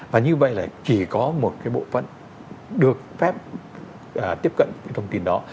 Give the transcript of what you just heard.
và như vậy là chỉ có một cái bộ phận được phép tiếp cận những thông tin đó